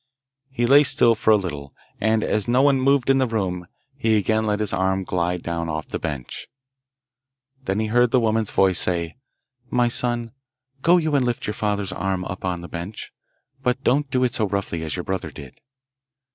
He lay still for a little, and, as no one moved in the room, he again let his arm glide down off the bench. Then he heard a woman's voice say, 'My son, go you and lift your father's arm up on the bench, but don't do it so rough!y as your brother did.